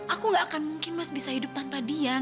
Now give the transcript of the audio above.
aku gak akan mungkin mas bisa hidup tanpa diam